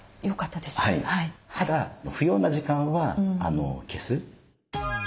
ただ不要な時間は消す。